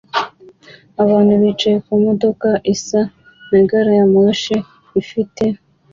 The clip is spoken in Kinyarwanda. Abantu bicaye kumodoka isa na gari ya moshi ifite